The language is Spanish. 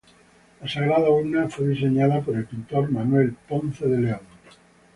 La sagrada urna fue diseñada por el pintor Manuel Ponce de León.